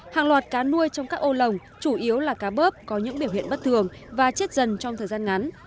hàng loạt cá nuôi trong các ô lồng chủ yếu là cá bớp có những biểu hiện bất thường và chết dần trong thời gian ngắn